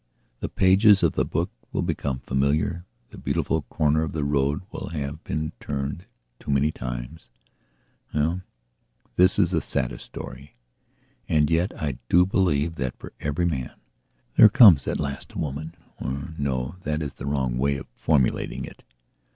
The pages of the book will become familiar; the beautiful corner of the road will have been turned too many times. Well, this is the saddest story. And yet I do believe that for every man there comes at last a womanor no, that is the wrong way of formulating it.